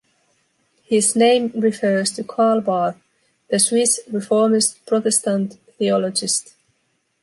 His name refers to Karl Barth, the Swiss reformist protestant theologist.